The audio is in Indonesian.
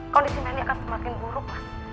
kondisi melly akan semakin buruk mas